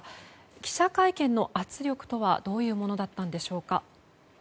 記者会見の圧力とは、どういうものだったのでしょうか。